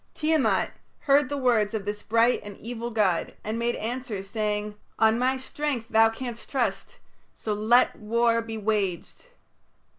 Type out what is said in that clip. Tiamat heard the words of this bright and evil god, and made answer, saying, "On my strength thou canst trust. So let war be waged."